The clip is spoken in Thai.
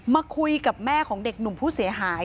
มาคุยกับแม่ของเด็กหนุ่มผู้เสียหาย